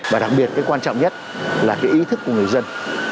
và đặc biệt cái quan trọng nhất là cái ý thức của người dân